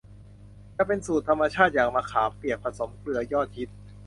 จะเป็นสูตรธรรมชาติอย่างมะขามเปียกผสมเกลือยอดฮิต